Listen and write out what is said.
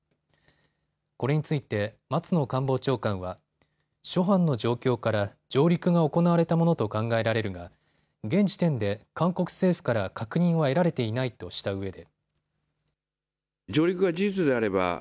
これについて松野官房長官は諸般の状況から上陸が行われたものと考えられるが現時点で韓国政府から確認は得られていないとしたうえで。